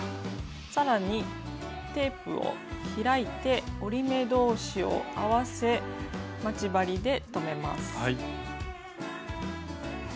さらにテープを開いて折り目同士を合わせ待ち針で留めます。